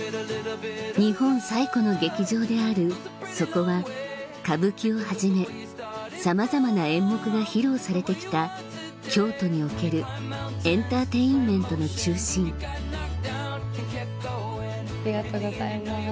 日本最古の劇場であるそこは歌舞伎をはじめさまざまな演目が披露されて来た京都におけるエンターテインメントの中心ありがとうございます。